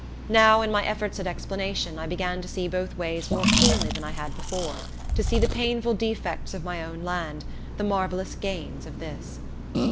Now, in my efforts at explanation, I began to see both ways more keenly than I had before; to see the painful defects of my own land, the marvelous gains of this.